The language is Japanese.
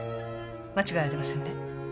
間違いありませんね？